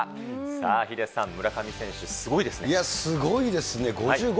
さあ、ヒデさん、村上選手、いや、すごいですね。